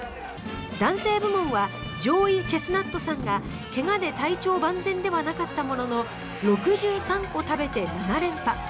男性部門はジョーイ・チェスナットさんが怪我で体調万全ではなかったものの６３個食べて７連覇。